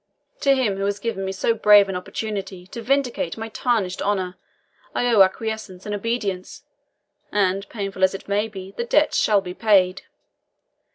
To him who has given me so brave an opportunity to vindicate my tarnished honour, I owe acquiescence and obedience; and painful as it may be, the debt shall be paid.